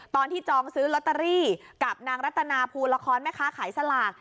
ตอนที่จองซื้อลอตเตอรี่กับนางรัตนาภูละครแม่ค้าขายสลาก